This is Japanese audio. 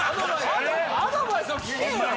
アドバイスを聞けよ！